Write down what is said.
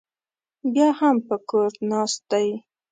بیا هم په کور ناست دی